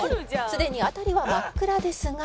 すでに辺りは真っ暗ですが」